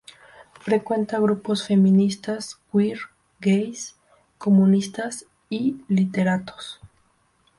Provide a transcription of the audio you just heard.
Frecuenta grupos feministas, queer, gays, comunistas y literatos.